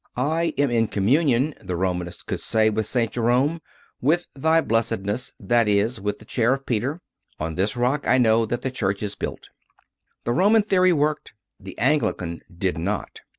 "I am in communion," the Romanist could say with St. Jerome, "with Thy Blessedness that is, with the Chair of Peter. On this rock I know that the Church is built." The Roman theory worked, the Anglican did not.